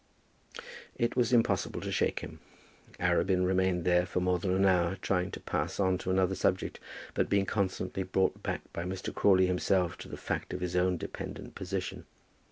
It was impossible to shake him. Arabin remained there for more than an hour, trying to pass on to another subject, but being constantly brought back by Mr. Crawley himself to the fact of his own dependent position.